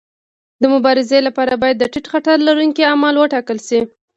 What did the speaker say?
د مبارزې لپاره باید د ټیټ خطر لرونکي اعمال وټاکل شي.